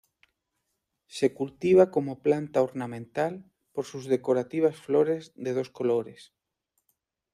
Se cultiva como planta ornamental por sus decorativas flores de dos colores.